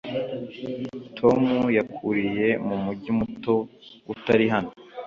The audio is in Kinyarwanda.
Tom yakuriye mu mujyi muto utari hano.